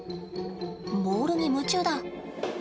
ボールに夢中だ。